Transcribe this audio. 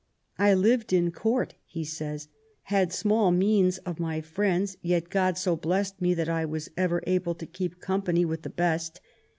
I lived in Court,'* he says, " had small means of my friends ; yet God so blessed me that I was ever able to keep company with the best.